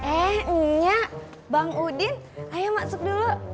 eh enggak bang udin ayo masuk dulu